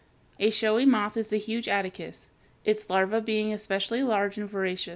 A showy moth is the huge Attacus, its larva being especially large and voracious.